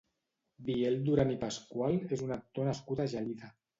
Biel Duran i Pascual és un actor nascut a Gelida.